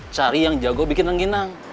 cari yang jago bikin rengginang